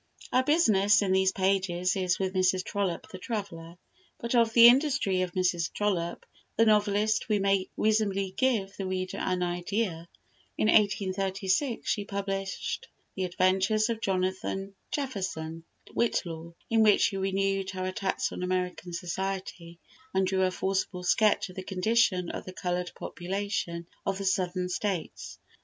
Our business in these pages is with Mrs. Trollope the traveller, but of the industry of Mrs. Trollope the novelist we may reasonably give the reader an idea. In 1836 she published "The Adventures of Jonathan Jefferson Whitlaw," in which she renewed her attacks on American society, and drew a forcible sketch of the condition of the coloured population of the Southern States.